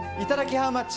ハウマッチ。